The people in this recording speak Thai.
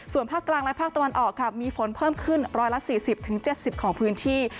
ส่วนภาคกลางและภาคตะวันออกค่ะมีฝนเพิ่มขึ้น๑๔๐๗๐ของพื้นที่